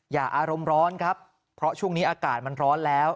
อารมณ์ร้อนครับเพราะช่วงนี้อากาศมันร้อนแล้ว